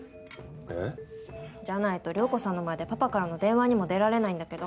えっ？じゃないと涼子さんの前でパパからの電話にも出られないんだけど。